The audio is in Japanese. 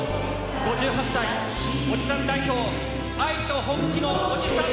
５８歳、おじさん代表、愛と本気のおじさん